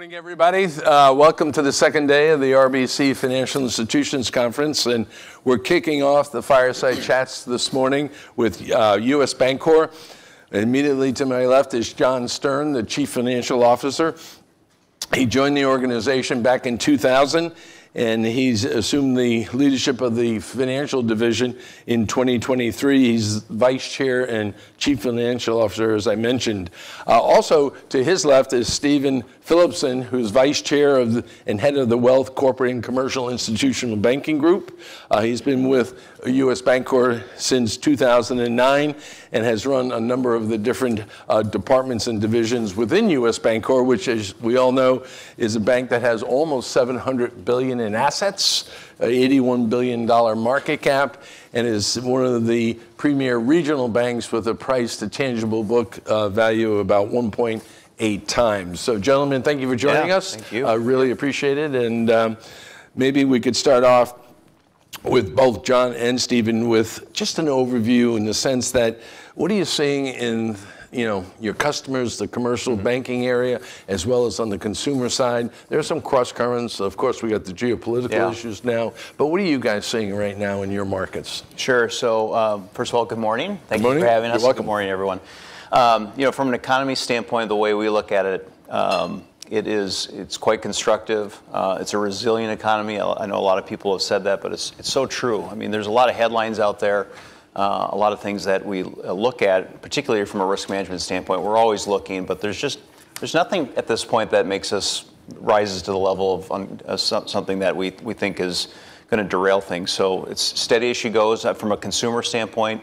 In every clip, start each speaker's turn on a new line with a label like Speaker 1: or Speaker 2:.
Speaker 1: Good morning, everybody. Welcome to the second day of the RBC Financial Institutions Conference, and we're kicking off the fireside chats this morning with U.S. Bancorp. Immediately to my left is John Stern, the Chief Financial Officer. He joined the organization back in 2000, and he's assumed the leadership of the financial division in 2023. He's Vice Chair and Chief Financial Officer, as I mentioned. Also, to his left is Stephen Philipson, who's Vice Chair and Head of the Wealth, Corporate, Commercial and Institutional Banking Group. He's been with U.S. Bancorp since 2009 and has run a number of the different departments and divisions within U.S. Bancorp, which as we all know, is a bank that has almost $700 billion in assets, an $81 billion market cap, and is one of the premier regional banks with a price-to-tangible book value of about 1.8x. Gentlemen, thank you for joining us.
Speaker 2: Yeah. Thank you.
Speaker 1: I really appreciate it, and maybe we could start off with both John and Stephen with just an overview in the sense that, what are you seeing in, you know, your customers, the commercial banking area, as well as on the consumer side? There's some crosscurrents. Of course, we got the geopolitical issues now.
Speaker 2: Yeah.
Speaker 1: What are you guys seeing right now in your markets?
Speaker 2: Sure. First of all, good morning.
Speaker 1: Good morning.
Speaker 2: Thank you for having us.
Speaker 1: You're welcome.
Speaker 2: Good morning, everyone. You know, from an economy standpoint, the way we look at it's quite constructive. It's a resilient economy. I know a lot of people have said that, but it's so true. I mean, there's a lot of headlines out there, a lot of things that we look at, particularly from a risk management standpoint. We're always looking, but there's just nothing at this point that rises to the level of something that we think is gonna derail things. It's steady as she goes. From a consumer standpoint,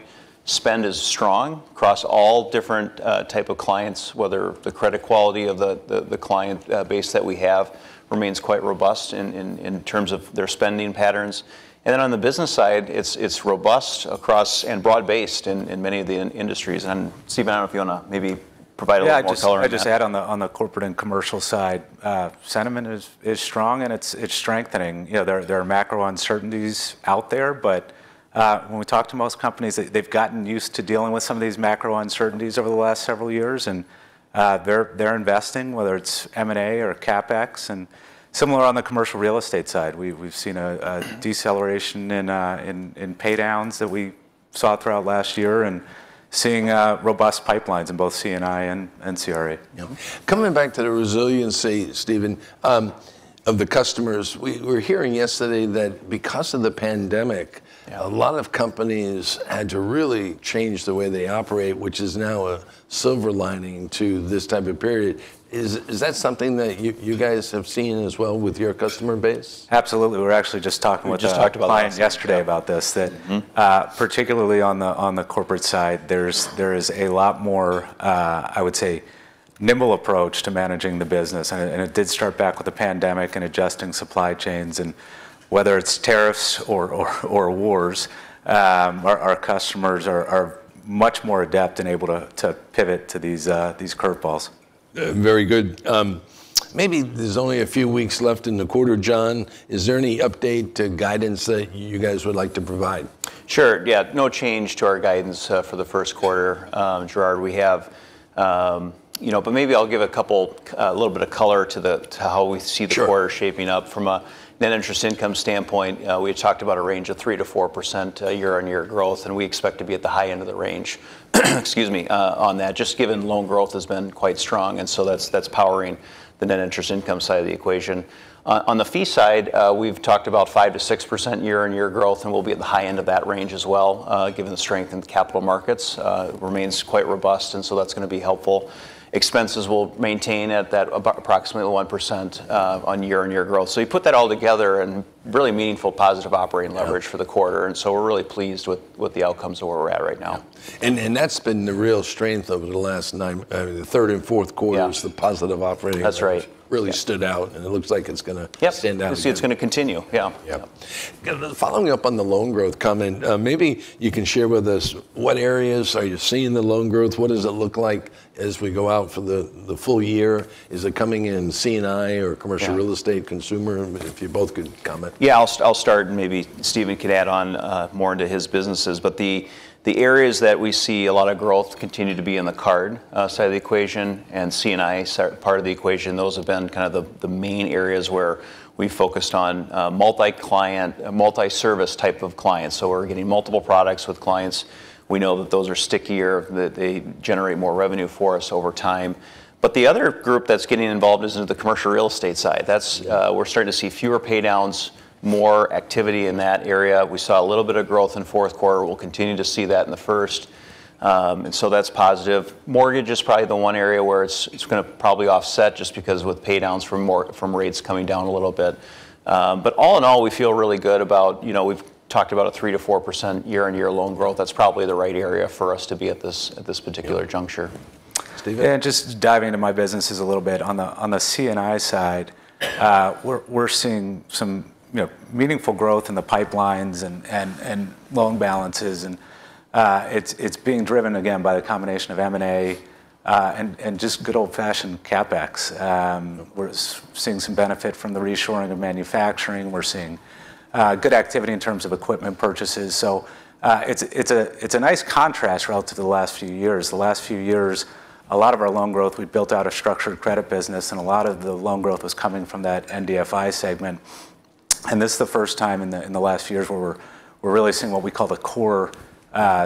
Speaker 2: spend is strong across all different type of clients, whether the credit quality of the client base that we have remains quite robust in terms of their spending patterns. On the business side, it's robust across and broad-based in many of the industries. Stephen, I don't know if you wanna maybe provide a little more color on that.
Speaker 3: Yeah, I'd just add on the corporate and commercial side, sentiment is strong and it's strengthening. You know, there are macro uncertainties out there, but when we talk to most companies, they've gotten used to dealing with some of these macro uncertainties over the last several years, and they're investing, whether it's M&A or CapEx. Similar on the Commercial Real Estate side. We've seen a deceleration in paydowns that we saw throughout last year and seeing robust pipelines in both C&I and CRE.
Speaker 1: Yeah. Coming back to the resiliency, Stephen, of the customers, we were hearing yesterday that because of the pandemic.
Speaker 3: Yeah
Speaker 1: A lot of companies had to really change the way they operate, which is now a silver lining to this type of period. Is that something that you guys have seen as well with your customer base?
Speaker 3: Absolutely. We were actually just talking
Speaker 2: We just talked about this.
Speaker 3: Client yesterday about this.
Speaker 2: Yeah. Mm-hmm.
Speaker 3: That particularly on the corporate side, there is a lot more, I would say, nimble approach to managing the business. It did start back with the pandemic and adjusting supply chains, and whether it's tariffs or wars, our customers are much more adept and able to pivot to these curve balls.
Speaker 1: Very good. Maybe there's only a few weeks left in the quarter, John Stern. Is there any update to guidance that you guys would like to provide?
Speaker 2: Sure. Yeah. No change to our guidance for the first quarter, Gerard. We have, you know, but maybe I'll give a couple, a little bit of color to how we see-
Speaker 1: Sure
Speaker 2: The quarter shaping up. From a net interest income standpoint, we had talked about a range of 3%-4% year-on-year growth, and we expect to be at the high end of the range, excuse me, on that, just given loan growth has been quite strong, and so that's powering the net interest income side of the equation. On the fee side, we've talked about 5%-6% year-on-year growth, and we'll be at the high end of that range as well, given the strength in the capital markets remains quite robust, and so that's gonna be helpful. Expenses will maintain at that about approximately 1% year-on-year growth. You put that all together and really meaningful positive operating leverage for the quarter, and so we're really pleased with the outcomes where we're at right now.
Speaker 1: Yeah. That's been the real strength over the last nine, I mean, the third and fourth quarters.
Speaker 2: Yeah
Speaker 1: the positive operating leverage
Speaker 2: That's right.
Speaker 1: Really stood out, and it looks like it's gonna stand out again.
Speaker 2: Yes. We see it's gonna continue. Yeah.
Speaker 1: Yeah. Following up on the loan growth comment, maybe you can share with us what areas are you seeing the loan growth? What does it look like as we go out for the full year? Is it coming in C&I or Commercial Real Estate?
Speaker 2: Yeah
Speaker 1: consumer? If you both could comment.
Speaker 2: Yeah. I'll start and maybe Stephen could add on more into his businesses. The areas that we see a lot of growth continue to be in the card side of the equation, and C&I part of the equation. Those have been kind of the main areas where we focused on multi-client, multi-service type of clients. We're getting multiple products with clients. We know that those are stickier, that they generate more revenue for us over time. The other group that's getting involved is the Commercial Real Estate side. That's. We're starting to see fewer paydowns, more activity in that area. We saw a little bit of growth in fourth quarter. We'll continue to see that in the first. That's positive. Mortgage is probably the one area where it's gonna probably offset just because with paydowns from rates coming down a little bit. All in all, we feel really good about, you know, we've talked about a 3%-4% year-over-year loan growth. That's probably the right area for us to be at this particular juncture.
Speaker 1: Stephen?
Speaker 3: Yeah. Just diving into my businesses a little bit. On the C&I side, we're seeing some, you know, meaningful growth in the pipelines and loan balances. It's being driven again by the combination of M&A and just good old-fashioned CapEx. We're seeing some benefit from the reshoring of manufacturing. We're seeing good activity in terms of equipment purchases. It's a nice contrast relative to the last few years. The last few years, a lot of our loan growth, we built out a structured credit business, and a lot of the loan growth was coming from that NBFI segment. This is the first time in the last few years where we're really seeing what we call the core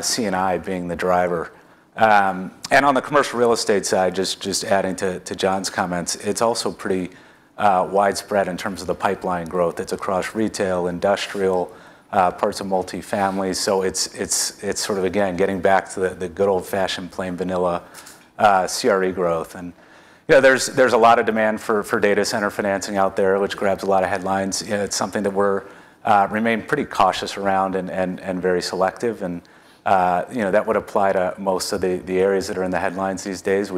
Speaker 3: C&I being the driver. On the Commercial Real Estate side, just adding to John's comments, it's also pretty widespread in terms of the pipeline growth. It's across retail, industrial, parts of multifamily. It's sort of again getting back to the good old-fashioned plain vanilla CRE growth. You know, there's a lot of demand for data center financing out there, which grabs a lot of headlines. It's something that we remain pretty cautious around and very selective. You know, that would apply to most of the areas that are in the headlines these days.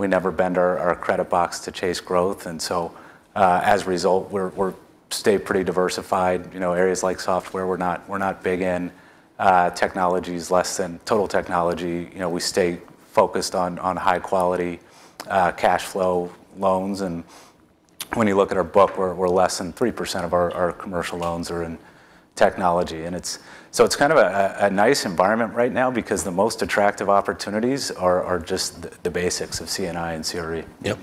Speaker 3: We never bend our credit box to chase growth, and so, as a result, we stay pretty diversified. You know, areas like software, we're not big in. Technology's less than total technology. You know, we stay focused on high-quality cash flow loans. When you look at our book, we're less than 3% of our commercial loans are in technology. It's kind of a nice environment right now because the most attractive opportunities are just the basics of C&I and CRE.
Speaker 1: Yep.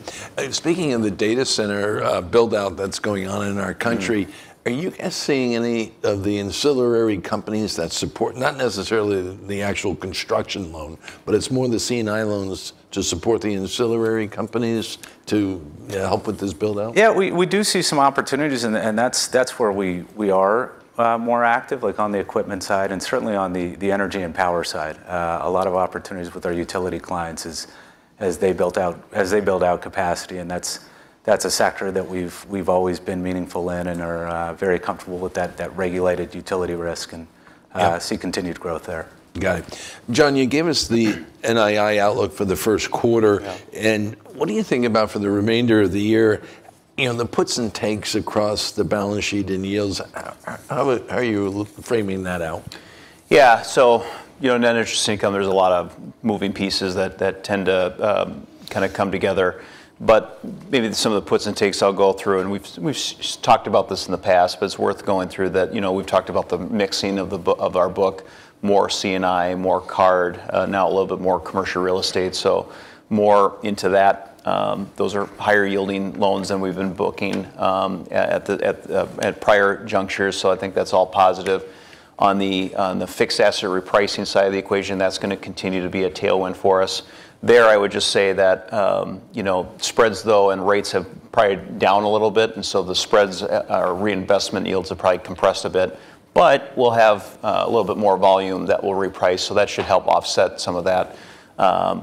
Speaker 1: Speaking of the data center build-out that's going on in our country.
Speaker 3: Mm
Speaker 1: Are you guys seeing any of the ancillary companies that support, not necessarily the actual construction loan, but it's more the C&I loans to support the ancillary companies to help with this build-out?
Speaker 3: Yeah. We do see some opportunities and that's where we are more active, like on the equipment side, and certainly on the energy and power side. A lot of opportunities with our utility clients as they build out capacity, and that's a sector that we've always been meaningful in and are very comfortable with that regulated utility risk and
Speaker 1: Yeah
Speaker 3: See continued growth there.
Speaker 1: Got it. John, you gave us the NII outlook for the first quarter.
Speaker 2: Yeah.
Speaker 1: What do you think about for the remainder of the year? You know, the puts and takes across the balance sheet and yields, how are you framing that out?
Speaker 2: Yeah. You know, net interest income, there's a lot of moving pieces that tend to kind of come together. Maybe some of the puts and takes I'll go through, and we've talked about this in the past, but it's worth going through that, you know, we've talked about the mixing of the book of our book, more C&I, more card, now a little bit more Commercial Real Estate, so more into that. Those are higher yielding loans than we've been booking at prior junctures. I think that's all positive. On the fixed asset repricing side of the equation, that's gonna continue to be a tailwind for us. I would just say that, you know, spreads though and rates have probably come down a little bit, and so the spreads or reinvestment yields have probably compressed a bit. We'll have a little bit more volume that will reprice, so that should help offset some of that.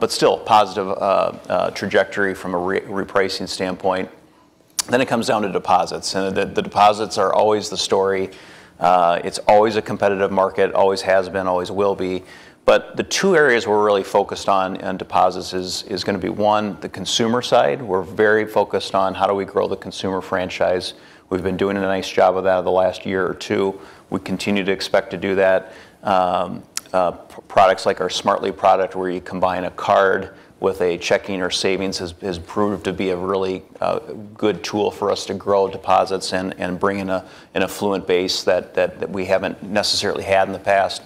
Speaker 2: Still, positive trajectory from a repricing standpoint. It comes down to deposits, and the deposits are always the story. It's always a competitive market, always has been, always will be. The two areas we're really focused on in deposits is gonna be, one, the consumer side. We're very focused on how do we grow the consumer franchise. We've been doing a nice job of that over the last year or two. We continue to expect to do that. Products like our Smartly product where you combine a card with a checking or savings has proved to be a really good tool for us to grow deposits and bring in an affluent base that we haven't necessarily had in the past.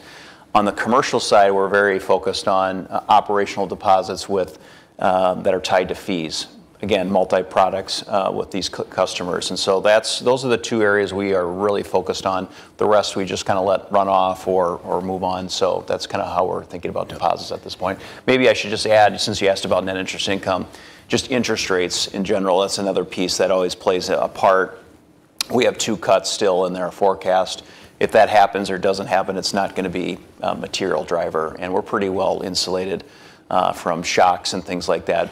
Speaker 2: On the commercial side, we're very focused on operational deposits with that are tied to fees. Again, multi-products with these customers. Those are the two areas we are really focused on. The rest, we just kind of let run off or move on. That's kinda how we're thinking about deposits at this point. Maybe I should just add, since you asked about net interest income, just interest rates in general. That's another piece that always plays a part. We have two cuts still in their forecast. If that happens or doesn't happen, it's not gonna be a material driver, and we're pretty well insulated from shocks and things like that.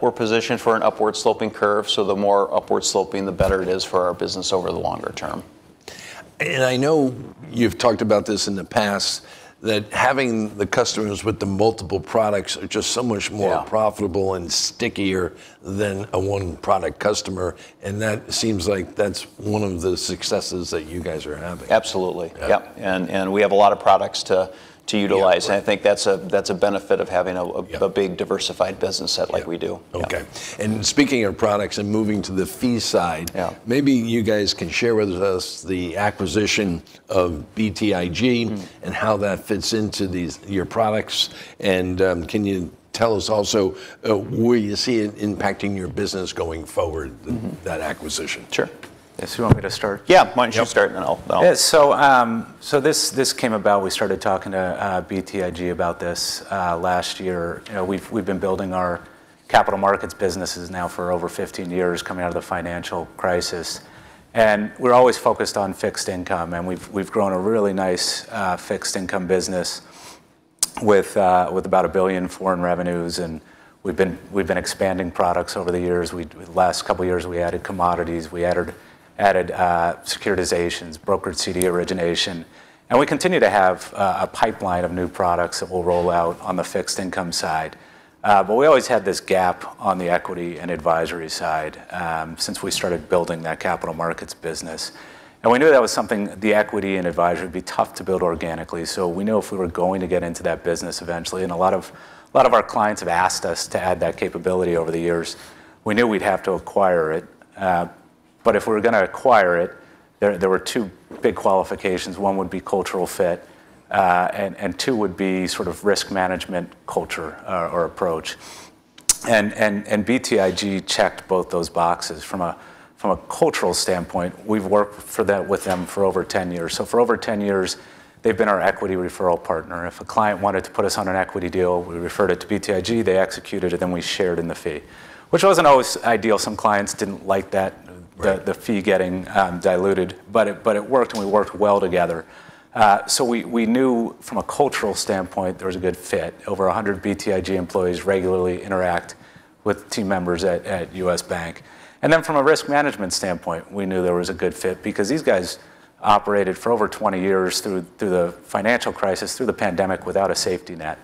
Speaker 2: We're positioned for an upward sloping curve, so the more upward sloping, the better it is for our business over the longer term.
Speaker 1: I know you've talked about this in the past, that having the customers with the multiple products are just so much more.
Speaker 2: Yeah
Speaker 1: profitable and stickier than a one-product customer, and that seems like that's one of the successes that you guys are having.
Speaker 2: Absolutely.
Speaker 1: Yeah.
Speaker 2: Yep. We have a lot of products to utilize.
Speaker 1: Yeah.
Speaker 2: I think that's a benefit of having a.
Speaker 1: Yeah
Speaker 2: A big diversified business set like we do.
Speaker 1: Yeah. Okay. Speaking of products and moving to the fee side.
Speaker 2: Yeah
Speaker 1: Maybe you guys can share with us the acquisition of BTIG.
Speaker 3: Mm...
Speaker 1: and how that fits into these, your products. Can you tell us also where you see it impacting your business going forward.
Speaker 3: Mm-hmm
Speaker 1: that acquisition?
Speaker 3: Sure.
Speaker 2: Yes, you want me to start?
Speaker 3: Yeah. Why don't you start.
Speaker 2: Yep...
Speaker 3: and I'll-
Speaker 2: Yeah, this came about. We started talking to BTIG about this last year. You know, we've been building our capital markets businesses now for over 15 years, coming out of the financial crisis. We're always focused on fixed income, and we've grown a really nice fixed income business with about $1 billion in revenues, and we've been expanding products over the years. The last couple years, we added commodities, we added securitizations, brokered CD origination. We continue to have a pipeline of new products that we'll roll out on the fixed income side. We always had this gap on the equity and advisory side since we started building that capital markets business. We knew that was something, the equity and advisory would be tough to build organically, so we knew if we were going to get into that business eventually, and a lot of our clients have asked us to add that capability over the years, we knew we'd have to acquire it. If we were gonna acquire it, there were two big qualifications. One would be cultural fit, and two would be sort of risk management culture, or approach.
Speaker 3: BTIG checked both those boxes. From a cultural standpoint, we've worked with them for over 10 years. For over 10 years they've been our equity referral partner. If a client wanted to put us on an equity deal, we referred it to BTIG, they executed it, then we shared in the fee, which wasn't always ideal. Some clients didn't like that.
Speaker 1: Right
Speaker 3: The fee getting diluted, but it worked, and we worked well together. We knew from a cultural standpoint there was a good fit. Over 100 BTIG employees regularly interact with team members at U.S. Bank. From a risk management standpoint, we knew there was a good fit because these guys operated for over 20 years through the financial crisis, through the pandemic without a safety net.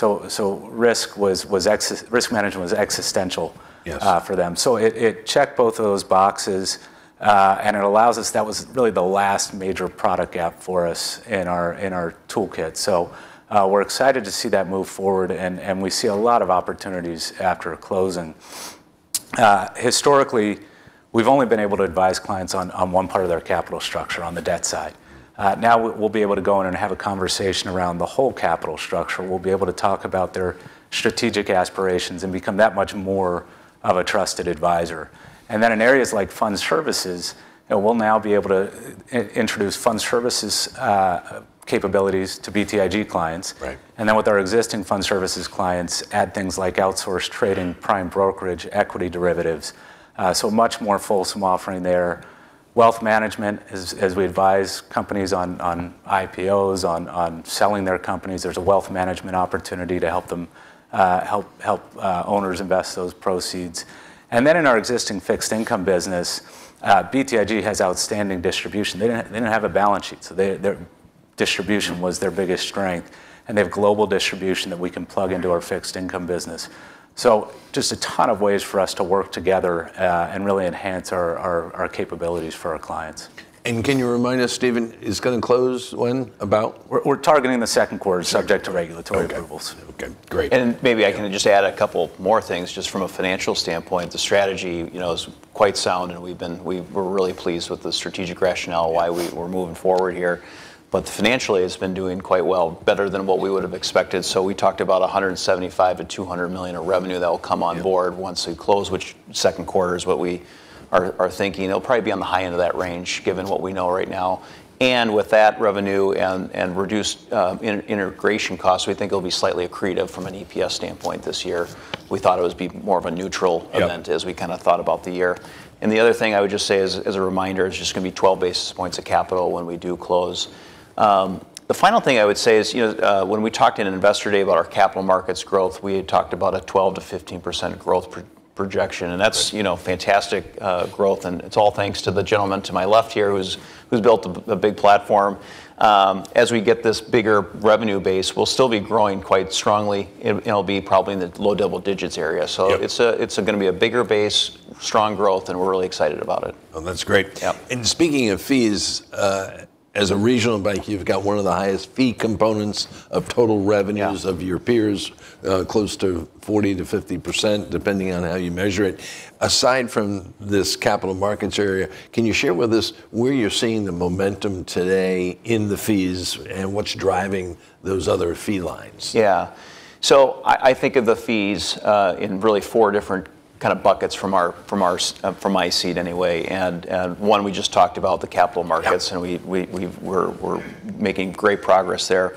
Speaker 3: Risk management was existential.
Speaker 1: Yes
Speaker 3: For them. It checked both of those boxes, and it allows us. That was really the last major product gap for us in our toolkit. We're excited to see that move forward, and we see a lot of opportunities after closing. Historically, we've only been able to advise clients on one part of their capital structure, on the debt side. Now we'll be able to go in and have a conversation around the whole capital structure. We'll be able to talk about their strategic aspirations and become that much more of a trusted advisor. In areas like Fund Services, we'll now be able to introduce Fund Services capabilities to BTIG clients.
Speaker 1: Right.
Speaker 3: With our existing Fund Services clients, add things like outsourced trading, prime brokerage, equity derivatives, so a much more fulsome offering there. Wealth management is, as we advise companies on IPOs, on selling their companies, there's a wealth management opportunity to help them help owners invest those proceeds. In our existing fixed income business, BTIG has outstanding distribution. They didn't have a balance sheet, so their distribution was their biggest strength, and they have global distribution that we can plug into our fixed income business. Just a ton of ways for us to work together, and really enhance our capabilities for our clients.
Speaker 1: Can you remind us, Stephen, it's gonna close when?
Speaker 3: We're targeting the second quarter subject to regulatory approvals.
Speaker 1: Okay. Okay, great.
Speaker 2: Maybe I can just add a couple more things just from a financial standpoint. The strategy, you know, is quite sound, and we're really pleased with the strategic rationale why we're moving forward here, but financially, it's been doing quite well, better than what we would've expected. We talked about $175 million-$200 million of revenue that will come on board once we close, which second quarter is what we are thinking. It'll probably be on the high end of that range, given what we know right now. With that revenue and reduced integration costs, we think it'll be slightly accretive from an EPS standpoint this year. We thought it would be more of a neutral event.
Speaker 1: Yeah
Speaker 2: as we kinda thought about the year. The other thing I would just say as a reminder, it's just gonna be 12 basis points of capital when we do close. The final thing I would say is, you know, when we talked in Investor Day about our capital markets growth, we had talked about a 12%-15% growth projection, and that's, you know, fantastic growth, and it's all thanks to the gentleman to my left here who's built a big platform. As we get this bigger revenue base, we'll still be growing quite strongly. It'll be probably in the low double digits area.
Speaker 1: Yep.
Speaker 2: It's gonna be a bigger base, strong growth, and we're really excited about it.
Speaker 1: Well, that's great.
Speaker 2: Yeah.
Speaker 1: Speaking of fees, as a regional bank, you've got one of the highest fee components of total revenues.
Speaker 2: Yeah
Speaker 1: of your peers, close to 40%-50%, depending on how you measure it. Aside from this capital markets area, can you share with us where you're seeing the momentum today in the fees and what's driving those other fee lines?
Speaker 2: Yeah. I think of the fees in really four different kind of buckets from my seat anyway. One we just talked about, the capital markets.
Speaker 1: Yeah
Speaker 2: We're making great progress there.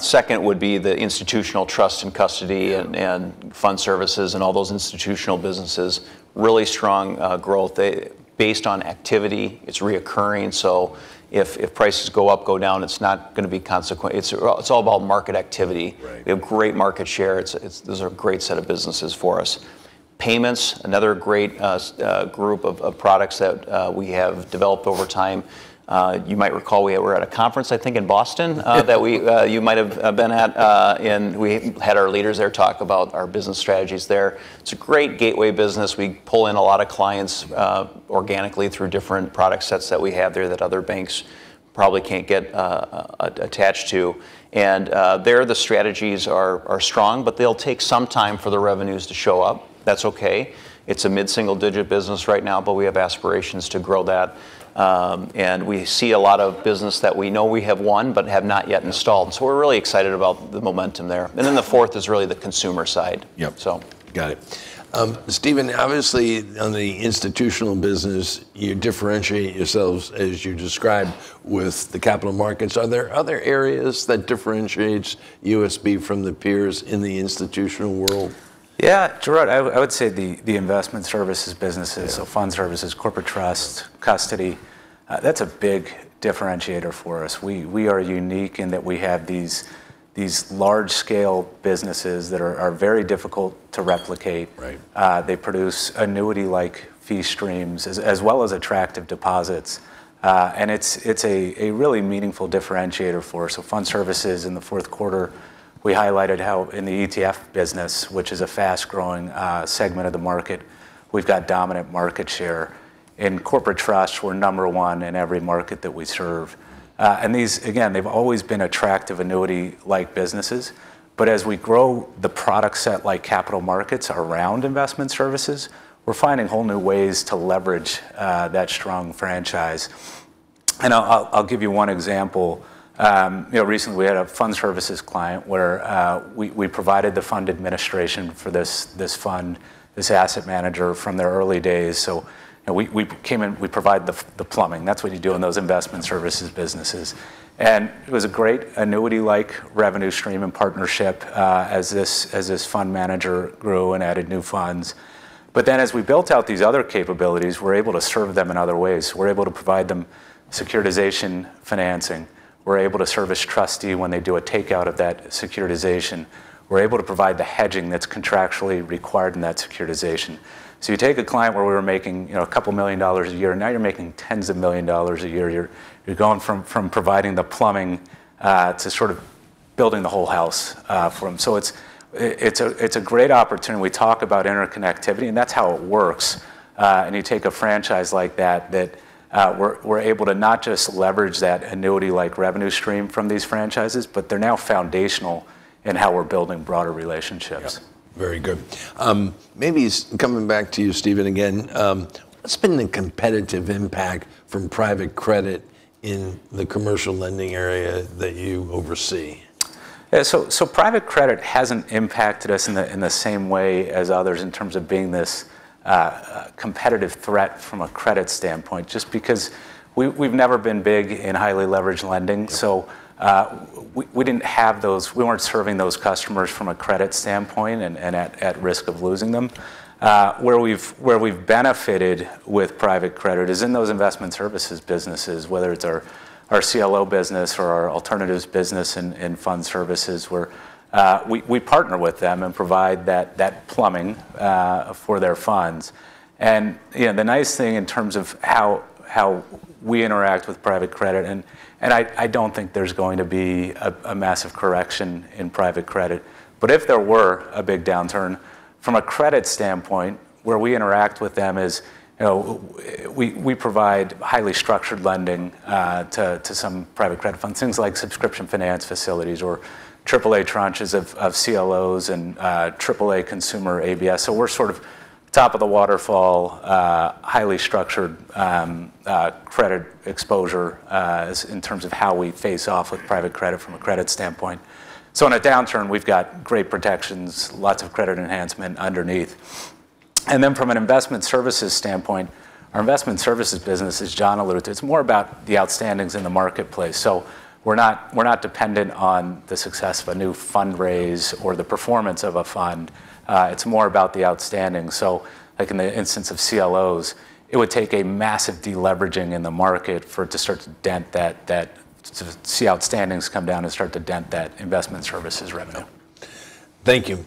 Speaker 2: Second would be the institutional trust and custody.
Speaker 1: Yeah
Speaker 2: Fund Services and all those institutional businesses, really strong growth. They based on activity, it's recurring, so if prices go up, go down, it's not gonna be consequential. It's all about market activity.
Speaker 1: Right.
Speaker 2: We have great market share. Those are a great set of businesses for us. Payments, another great group of products that we have developed over time. You might recall we were at a conference, I think in Boston.
Speaker 1: Yeah
Speaker 2: That you might have been at, and we had our leaders there talk about our business strategies there. It's a great gateway business. We pull in a lot of clients organically through different product sets that we have there that other banks probably can't get attached to, and they're strong, but they'll take some time for the revenues to show up. That's okay. It's a mid-single digit business right now, but we have aspirations to grow that. We see a lot of business that we know we have won but have not yet installed, so we're really excited about the momentum there. The fourth is really the consumer side.
Speaker 1: Yep.
Speaker 2: So.
Speaker 1: Got it. Stephen, obviously on the institutional business, you differentiate yourselves, as you described, with the capital markets. Are there other areas that differentiates USB from the peers in the institutional world?
Speaker 3: Yeah. Gerard, I would say the investment services businesses.
Speaker 1: Yeah
Speaker 3: Fund Services, Corporate Trust, custody, that's a big differentiator for us. We are unique in that we have these large scale businesses that are very difficult to replicate.
Speaker 1: Right.
Speaker 3: They produce annuity-like fee streams as well as attractive deposits. It's a really meaningful differentiator for us. Fund Services in the fourth quarter, we highlighted how in the ETF business, which is a fast-growing segment of the market, we've got dominant market share. In Corporate Trust, we're number one in every market that we serve. These, again, they've always been attractive annuity-like businesses, but as we grow the product set like capital markets around investment services, we're finding whole new ways to leverage that strong franchise. I'll give you one example. You know, recently we had a Fund Services client where we provided the fund administration for this fund, this asset manager from their early days. We came in, we provide the plumbing. That's what you do in those investment services businesses. It was a great annuity-like revenue stream and partnership, as this fund manager grew and added new funds. As we built out these other capabilities, we're able to serve them in other ways. We're able to provide them securitization financing. We're able to serve as trustee when they do a takeout of that securitization. We're able to provide the hedging that's contractually required in that securitization. You take a client where we were making, you know, a couple millions dollars a year, now you're making tens of millions of dollars a year. You're going from providing the plumbing to sort of building the whole house for them. It's a great opportunity. We talk about interconnectivity, and that's how it works. You take a franchise like that we're able to not just leverage that annuity-like revenue stream from these franchises, but they're now foundational in how we're building broader relationships.
Speaker 1: Yeah. Very good. Maybe coming back to you, Stephen, again. What's been the competitive impact from private credit in the commercial lending area that you oversee?
Speaker 3: Private credit hasn't impacted us in the same way as others in terms of being this competitive threat from a credit standpoint, just because we've never been big in highly leveraged lending.
Speaker 1: Yeah.
Speaker 3: We didn't have those. We weren't serving those customers from a credit standpoint and at risk of losing them. Where we've benefited with private credit is in those investment services businesses, whether it's our CLO business or our alternatives business in Fund Services, where we partner with them and provide that plumbing for their funds. You know, the nice thing in terms of how we interact with private credit, and I don't think there's going to be a massive correction in private credit. If there were a big downturn, from a credit standpoint, where we interact with them is, you know, we provide highly structured lending to some private credit funds, things like subscription finance facilities or AAA tranches of CLOs and AAA consumer ABS. We're sort of top of the waterfall, highly structured credit exposure in terms of how we face off with private credit from a credit standpoint. In a downturn, we've got great protections, lots of credit enhancement underneath. From an investment services standpoint, our investment services business, as John alluded to, it's more about the outstandings in the marketplace. We're not dependent on the success of a new fund raise or the performance of a fund. It's more about the outstandings. Like in the instance of CLOs, it would take a massive de-leveraging in the market for it to start to dent that, to see outstandings come down and start to dent that investment services revenue.
Speaker 1: Thank you.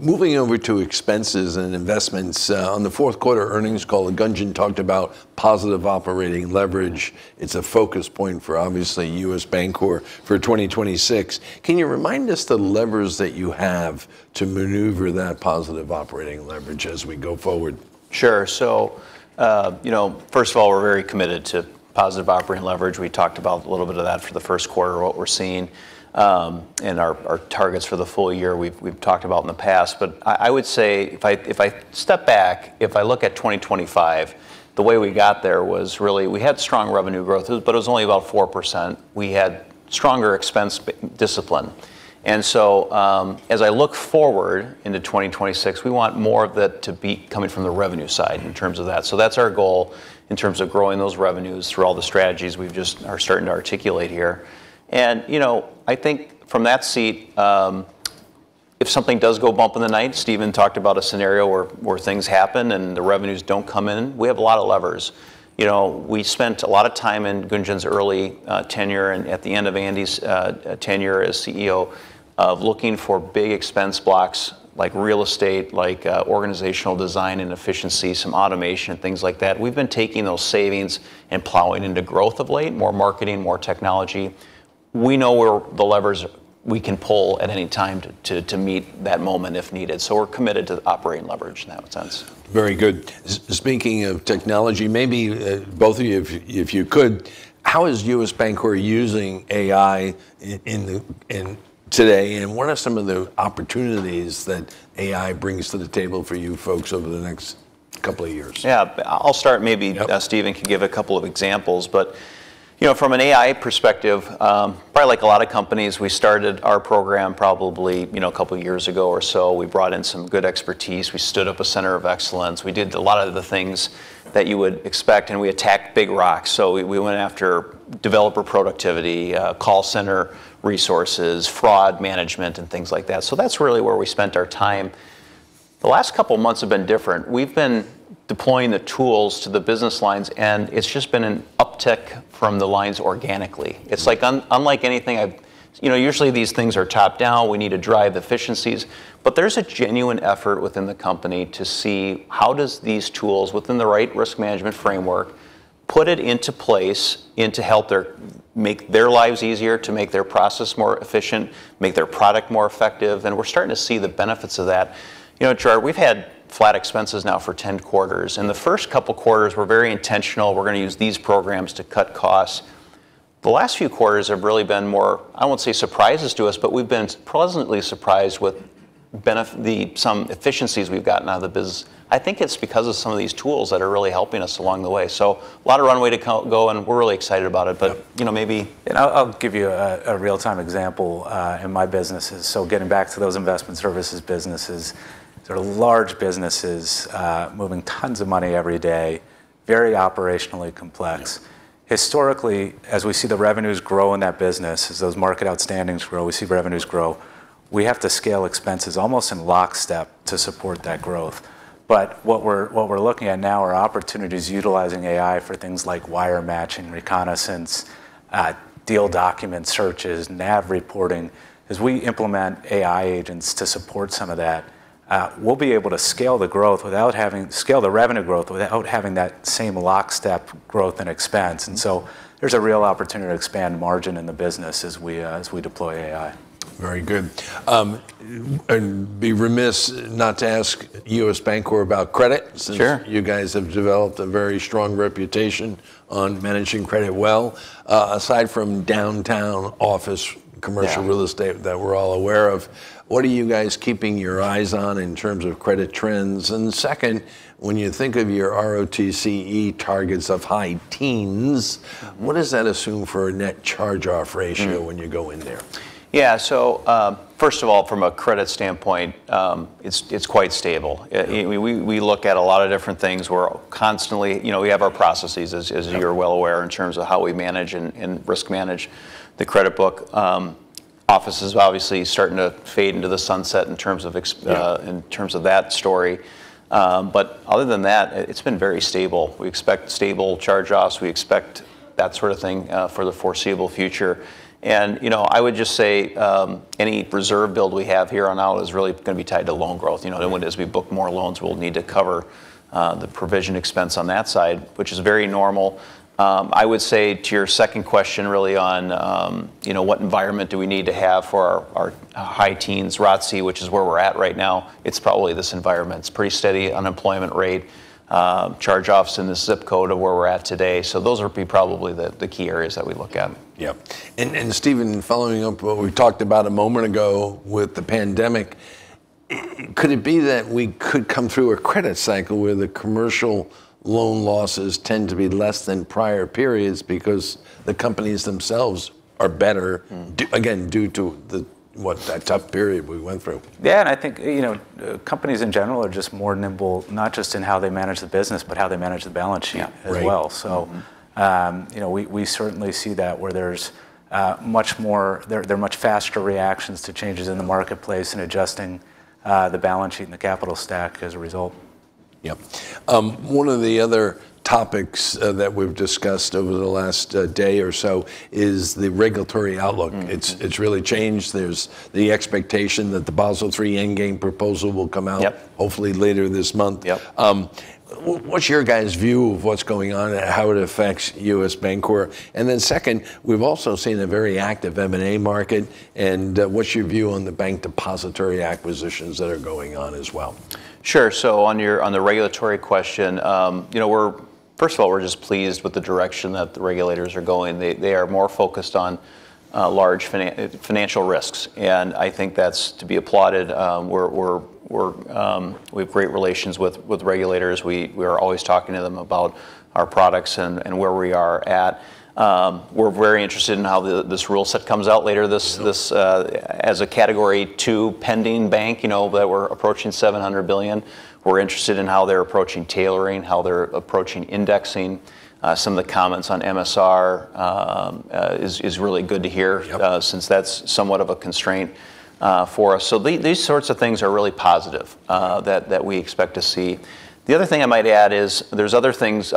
Speaker 1: Moving over to expenses and investments. On the fourth quarter earnings call, Gunjan talked about positive operating leverage. It's a focus point for obviously U.S. Bancorp for 2026. Can you remind us the levers that you have to maneuver that positive operating leverage as we go forward?
Speaker 2: You know, first of all, we're very committed to positive operating leverage. We talked about a little bit of that for the first quarter, what we're seeing, and our targets for the full year we've talked about in the past. I would say if I step back, if I look at 2025, the way we got there was really we had strong revenue growth, but it was only about 4%. We had stronger expense discipline. As I look forward into 2026, we want more of that to be coming from the revenue side in terms of that. That's our goal in terms of growing those revenues through all the strategies we've just are starting to articulate here. You know, I think from that seat, if something does go bump in the night, Stephen talked about a scenario where things happen and the revenues don't come in, we have a lot of levers. You know, we spent a lot of time in Gunjan's early tenure and at the end of Andy's tenure as CEO of looking for big expense blocks like real estate, like organizational design and efficiency, some automation, things like that. We've been taking those savings and plowing into growth of late, more marketing, more technology. We know where the levers we can pull at any time to meet that moment if needed. So we're committed to operating leverage in that sense.
Speaker 1: Very good. Speaking of technology, maybe both of you, if you could, how is U.S. Bancorp using AI today, and what are some of the opportunities that AI brings to the table for you folks over the next couple of years?
Speaker 2: Yeah. I'll start.
Speaker 1: Yep
Speaker 2: Stephen can give a couple of examples. You know, from an AI perspective, probably like a lot of companies, we started our program probably, you know, a couple of years ago or so. We brought in some good expertise. We stood up a center of excellence. We did a lot of the things that you would expect, and we attacked big rocks. We went after developer productivity, call center resources, fraud management, and things like that. That's really where we spent our time. The last couple of months have been different. We've been deploying the tools to the business lines, and it's just been an uptick from the lines organically. It's like unlike anything. You know, usually these things are top-down. We need to drive efficiencies. There's a genuine effort within the company to see how does these tools within the right risk management framework put it into place and to help their, make their lives easier, to make their process more efficient, make their product more effective, and we're starting to see the benefits of that. You know, Gerard, we've had flat expenses now for 10 quarters. In the first couple quarters, we're very intentional. We're gonna use these programs to cut costs. The last few quarters have really been more, I won't say surprises to us, but we've been pleasantly surprised with the, some efficiencies we've gotten out of the business. I think it's because of some of these tools that are really helping us along the way. A lot of runway to go, and we're really excited about it.
Speaker 3: Yeah.
Speaker 2: You know, maybe.
Speaker 3: I'll give you a real-time example in my businesses, so getting back to those investment services businesses. They're large businesses, moving tons of money every day, very operationally complex.
Speaker 2: Yeah.
Speaker 3: Historically, as we see the revenues grow in that business, as those market outstandings grow, we see revenues grow, we have to scale expenses almost in lockstep to support that growth. What we're looking at now are opportunities utilizing AI for things like wire matching, reconciliation, deal document searches, NAV reporting. As we implement AI agents to support some of that, we'll be able to scale the revenue growth without having that same lockstep growth and expense.
Speaker 2: Mm.
Speaker 3: There's a real opportunity to expand margin in the business as we deploy AI.
Speaker 1: Very good. I'd be remiss not to ask U.S. Bancorp about credit since.
Speaker 2: Sure
Speaker 1: you guys have developed a very strong reputation on managing credit well.
Speaker 2: Yeah
Speaker 1: Commercial Real Estate that we're all aware of, what are you guys keeping your eyes on in terms of credit trends? Second, when you think of your ROTCE targets of high teens, what does that assume for a net charge-off ratio?
Speaker 2: Mm
Speaker 1: when you go in there?
Speaker 2: Yeah. First of all, from a credit standpoint, it's quite stable.
Speaker 1: Yeah.
Speaker 2: We look at a lot of different things. We're constantly. You know, we have our processes, as.
Speaker 1: Yeah
Speaker 2: You're well aware, in terms of how we manage and risk manage the credit book. Offices obviously starting to fade into the sunset in terms of ex-
Speaker 1: Yeah
Speaker 2: In terms of that story. Other than that, it's been very stable. We expect stable charge-offs. We expect that sort of thing for the foreseeable future. You know, I would just say any reserve build we have here on out is really gonna be tied to loan growth. You know, the one as we book more loans, we'll need to cover the provision expense on that side, which is very normal. I would say to your second question really on you know, what environment do we need to have for our high teens ROTCE, which is where we're at right now, it's probably this environment. It's pretty steady unemployment rate, charge-offs in the zip code of where we're at today. Those would be probably the key areas that we look at.
Speaker 1: Stephen, following up what we talked about a moment ago with the pandemic, could it be that we could come through a credit cycle where the commercial loan losses tend to be less than prior periods because the companies themselves are better?
Speaker 3: Mm
Speaker 1: again, due to that tough period we went through?
Speaker 3: Yeah, I think, you know, companies in general are just more nimble, not just in how they manage the business, but how they manage the balance sheet as well.
Speaker 2: Yeah. Right.
Speaker 3: So-
Speaker 2: Mm-hmm
Speaker 3: You know, we certainly see that where there's much more. They're much faster reactions to changes in the marketplace and adjusting the balance sheet and the capital stack as a result.
Speaker 1: Yeah. One of the other topics that we've discussed over the last day or so is the regulatory outlook.
Speaker 3: Mm. Mm.
Speaker 1: It's really changed. There's the expectation that the Basel III endgame proposal will come out.
Speaker 2: Yeah
Speaker 1: Hopefully later this month.
Speaker 2: Yeah.
Speaker 1: What's your guys' view of what's going on and how it affects U.S. Bancorp? Second, we've also seen a very active M&A market, and what's your view on the bank depository acquisitions that are going on as well?
Speaker 2: On the regulatory question, we're just pleased with the direction that the regulators are going. They are more focused on large financial risks, and I think that's to be applauded. We have great relations with regulators. We are always talking to them about our products and where we are at. We're very interested in how this rule set comes out later this year, as a Category II pending bank, you know, that we're approaching $700 billion. We're interested in how they're approaching tailoring, how they're approaching indexing. Some of the comments on MSR is really good to hear.
Speaker 1: Yeah
Speaker 2: Since that's somewhat of a constraint for us. These sorts of things are really positive that we expect to see. The other thing I might add is there's other things,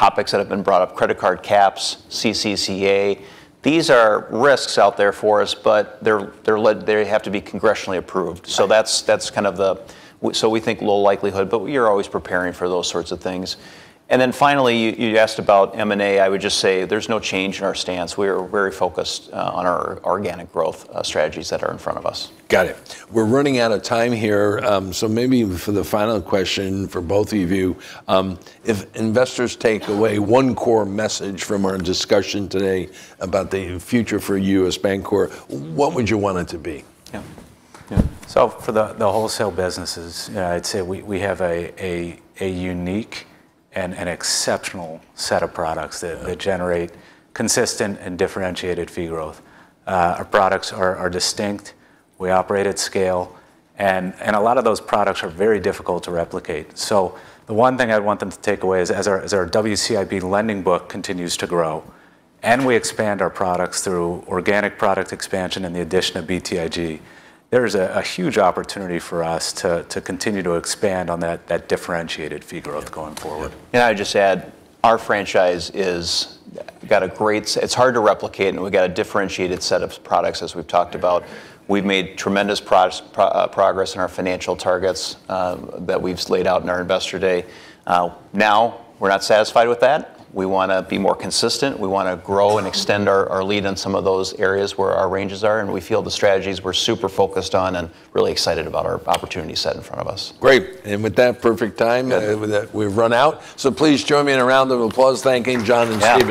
Speaker 2: other topics that have been brought up, credit card caps, CCCA. These are risks out there for us, but they have to be congressionally approved.
Speaker 1: Right.
Speaker 2: We think low likelihood, but we are always preparing for those sorts of things. Finally, you asked about M&A. I would just say there's no change in our stance. We are very focused on our organic growth strategies that are in front of us.
Speaker 1: Got it. We're running out of time here, so maybe for the final question for both of you, if investors take away one core message from our discussion today about the future for U.S. Bancorp, what would you want it to be?
Speaker 3: Yeah. For the wholesale businesses, I'd say we have a unique and an exceptional set of products that.
Speaker 1: Yeah...
Speaker 3: that generate consistent and differentiated fee growth. Our products are distinct. We operate at scale, and a lot of those products are very difficult to replicate. The one thing I'd want them to take away is as our WCIB lending book continues to grow and we expand our products through organic product expansion and the addition of BTIG, there is a huge opportunity for us to continue to expand on that differentiated fee growth going forward.
Speaker 2: I'd just add, our franchise is. We've got a great. It's hard to replicate, and we've got a differentiated set of products, as we've talked about. We've made tremendous progress in our financial targets that we've laid out in our Investor Day. Now we're not satisfied with that. We want to be more consistent. We want to grow and extend our lead in some of those areas where our ranges are, and we feel the strategies we're super focused on and really excited about our opportunity set in front of us.
Speaker 1: Great. With that perfect time.
Speaker 2: Good
Speaker 1: With that, we've run out. Please join me in a round of applause thanking John Stern and Stephen Philipson.